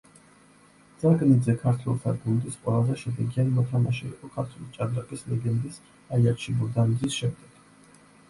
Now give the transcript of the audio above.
ძაგნიძე ქართველთა გუნდის ყველაზე შედეგიანი მოთამაშე იყო ქართული ჭადრაკის ლეგენდის მაია ჩიბურდანიძის შემდეგ.